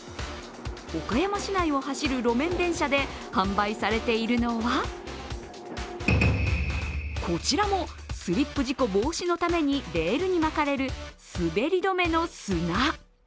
岡山市内を走る路面電車で販売されているのはこちらもスリップ事故防止のためにレールにまかれる滑り止めの砂。